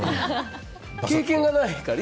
経験がないから。